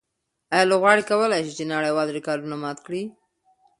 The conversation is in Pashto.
آیا لوبغاړي کولای شي چې نړیوال ریکارډونه مات کړي؟